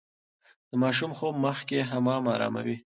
د ماشوم خوب مخکې حمام اراموي.